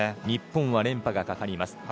日本は連覇がかかります。